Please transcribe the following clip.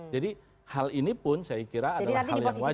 jadi hal ini pun saya kira adalah hal yang wajar